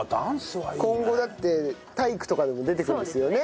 今後だって体育とかでも出てくるんですよね。